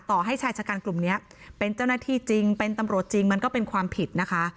ให้ชายชะกันกลุ่มนี้เป็นเจ้าหน้าที่จริงเป็นตำรวจจริงมันก็เป็นความผิดนะคะ